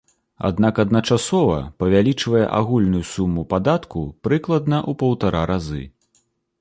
Аднак адначасова павялічвае агульную суму падатку прыкладна ў паўтара разы.